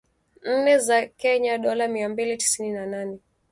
Nne za Kenya (Dola mia mbili tisini na nane.